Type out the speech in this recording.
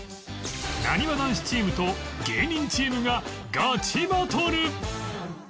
なにわ男子チームと芸人チームがガチバトル！